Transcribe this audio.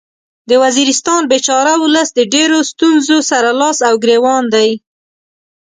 د وزیرستان بیچاره ولس د ډیرو ستونځو سره لاس او ګریوان دی